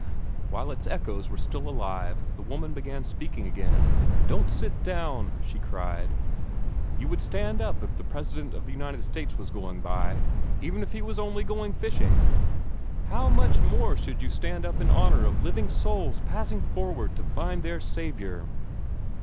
While its echoes were still alive, the woman began speaking again. "Don't sit down!" she cried. "You would stand up if the President of the United States was going by, even if he was only going fishing. How much more should you stand up in honor of living souls passing forward to find their Saviour!"